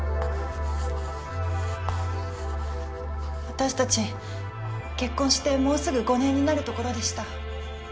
私たち結婚してもうすぐ５年になるところでした。